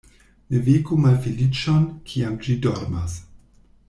Ne veku malfeliĉon, kiam ĝi dormas.